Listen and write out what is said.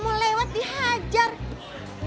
gue mau lewat lu bingung